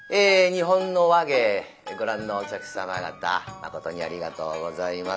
「日本の話芸」ご覧のお客様方誠にありがとうございます。